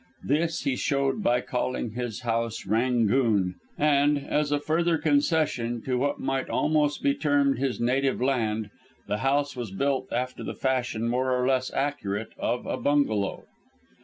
This he showed by calling his house "Rangoon;" and, as a further concession to what might almost be termed his native land, the house was built after the fashion, more or less accurate, of a bungalow.